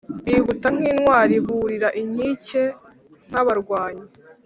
Bihuta nk intwari burira inkike nk abarwanyi